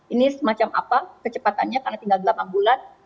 ini semacam apa kecepatannya karena tinggal delapan bulan